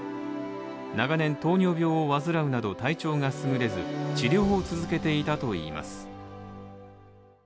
長年糖尿病を患うなど体調がすぐれず、治療を続けていたといいます。